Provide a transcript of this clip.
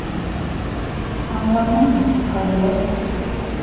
Аңланыңмы, Камилым?